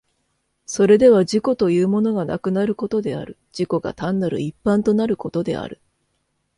それでは自己というものがなくなることである、自己が単なる一般となることである。